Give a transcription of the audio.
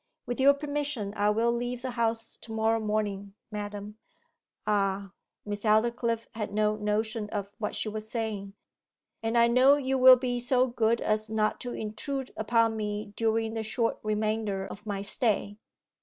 'With your permission, I will leave the house to morrow morning, madam.' 'Ah.' Miss Aldclyffe had no notion of what she was saying. 'And I know you will be so good as not to intrude upon me during the short remainder of my stay?